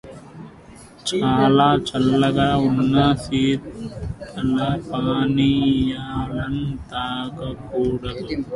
చాలా చల్లగా ఉన్న శీతల పానీయాలను తాగకూడదు.